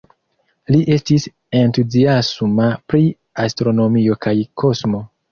Li estis entuziasma pri astronomio kaj kosmo.